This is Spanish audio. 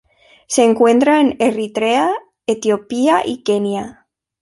Se encuentra en Eritrea, Etiopía y Kenia.